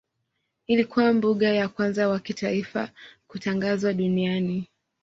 Ilikuwa mbuga ya kwanza wa kitaifa kutangazwa duniani.